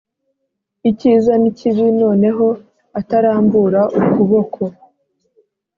icyiza n ikibi noneho atarambura ukuboko